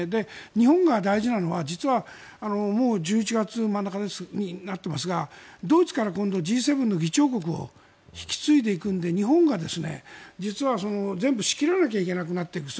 日本が大事なのは実はもう１１月真ん中になっていますがドイツから今度、Ｇ７の議長国を引き継いでいくんで日本が実は、全部仕切らなきゃいけなくなってくる。